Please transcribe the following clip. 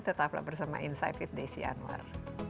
tetaplah bersama insight with desi anwar